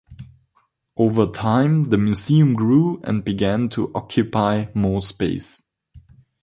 Over time the Museum grew and began to occupy more space.